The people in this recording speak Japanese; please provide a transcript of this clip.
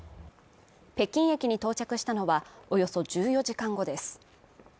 北京駅に到着したのはおよそ１４時間後です